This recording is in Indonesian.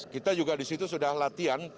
kita juga di situ sudah latihan